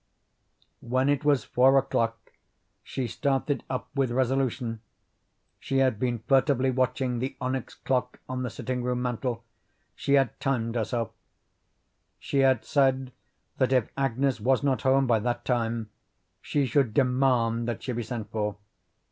When it was four o'clock she started up with resolution. She had been furtively watching the onyx clock on the sitting room mantel; she had timed herself. She had said that if Agnes was not home by that time she should demand that she be sent for.